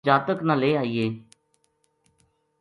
اس جاتک نا لے آئیے